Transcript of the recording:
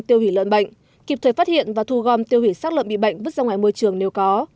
tiêu hủy lợn bệnh kịp thời phát hiện và thu gom tiêu hủy sát lợn bị bệnh vứt ra ngoài môi trường nếu có